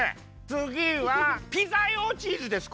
つぎはピザ用チーズです。